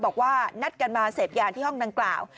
บอกว่านัดกันมาเสพยาที่ห้องดังกล่าว